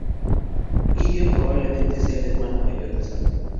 Gideon probablemente sea el hermano mayor de Sam.